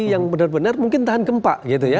yang benar benar tahan gempa